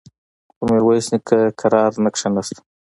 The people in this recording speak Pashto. خو ميرويس نيکه کرار نه کېناسته.